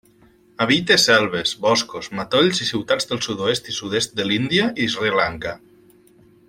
Habita selves, boscos, matolls i ciutats del sud-oest i sud-est de l'Índia i Sri Lanka.